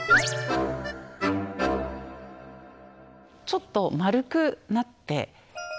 ちょっとまるくなって。